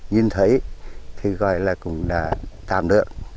nhìn thấy thì gọi là cũng đã tạm được